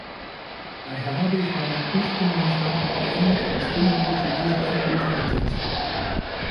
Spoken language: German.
Daher habe ich meinen ursprünglichen Standpunkt geändert und stimme nun für diesen endgültigen Text.